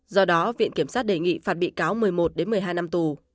do đó viện kiểm sát đề nghị phạt bị cáo một mươi một một mươi hai năm tù